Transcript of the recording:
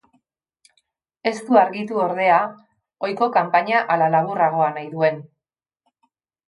Ez du argitu, ordea, ohiko kanpaina ala laburragoa nahi duen.